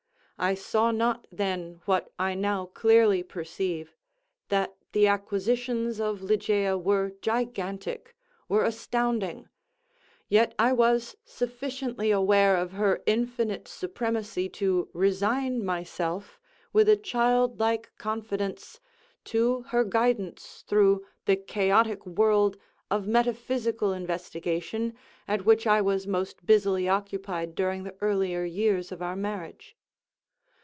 I saw not then what I now clearly perceive, that the acquisitions of Ligeia were gigantic, were astounding; yet I was sufficiently aware of her infinite supremacy to resign myself, with a child like confidence, to her guidance through the chaotic world of metaphysical investigation at which I was most busily occupied during the earlier years of our marriage.